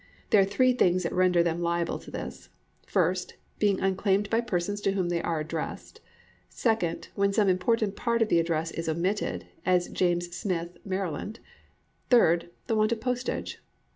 There are three things that render them liable to this: first, being unclaimed by persons to whom they are addressed; second, when some important part of the address is omitted, as James Smith, Maryland; third, the want of postage.